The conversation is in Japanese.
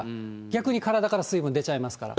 逆に体から水分出ちゃいますから。